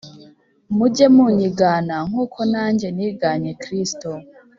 Mujye munyigana nkuko nanjye niganye Kristo